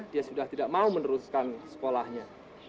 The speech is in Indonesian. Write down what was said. dia sudah tidak mau meneruskan sekolahnya